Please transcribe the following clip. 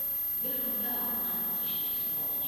Бер көнгә алдан ҡайтып төштө, сволочь.